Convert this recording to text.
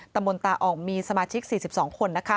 มนตาอ่องมีสมาชิก๔๒คน